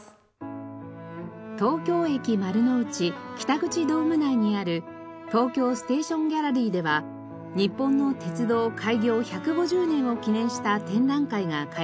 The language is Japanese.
東京駅丸の内北口ドーム内にある東京ステーションギャラリーでは日本の鉄道開業１５０年を記念した展覧会が開催されています。